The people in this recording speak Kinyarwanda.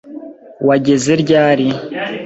Wageze ryari?